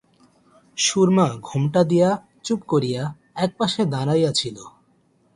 সুরমা ঘোমটা দিয়া চুপ করিয়া একপাশে দাঁড়াইয়া ছিল।